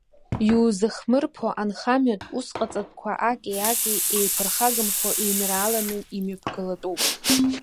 Иузахмырԥо анхамҩатә усҟаҵатәқәа аки-аки еиԥырхагамхо, еинрааланы имҩаԥгалатәуп.